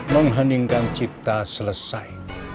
mengheningkan cipta selesai